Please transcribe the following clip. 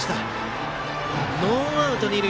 ノーアウト二塁。